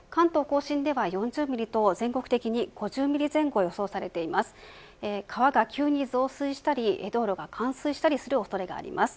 甲信では４０ミリと全国的に５０ミリ前後が予想されています。